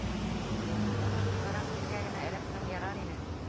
— Улым, йылыраҡ ергә генә эләкһәң ярар ине.